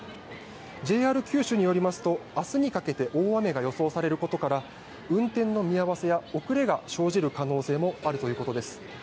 ＪＲ九州によりますと明日にかけて大雨が予想されることから運転の見合わせや遅れが生じる可能性もあるということです。